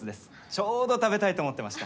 ちょうど食べたいと思ってました。